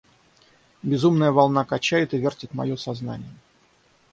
Безумная волна качает и вертит мое сознание...